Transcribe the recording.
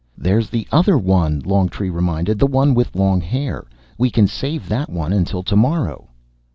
"There's the other one," Longtree reminded, "the one with long hair. We can save that one until tomorrow."